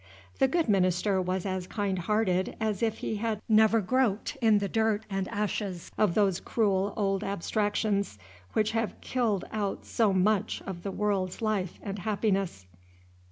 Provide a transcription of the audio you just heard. The good minister was as kind hearted as if he had never groped in the dust and ashes of those cruel old abstractions which have killed out so much of the world's life and happiness.